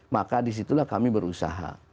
maka disitulah kami berusaha